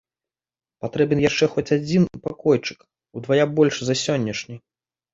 Патрэбен яшчэ хоць адзін пакойчык, удвая большы за сённяшні.